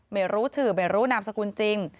ไม่รู้ชื่อไม่รู้นามสกุลจริง